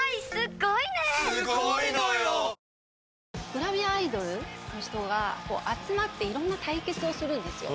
グラビアアイドルの人が、集まって、いろんな対決をするんですよ。